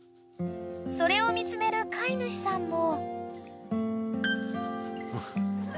［それを見つめる飼い主さんも］